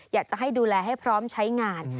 อยากจะให้ดูแลให้พร้อมใช้งาน